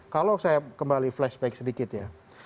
kalau saya kembali flashback sedikit ya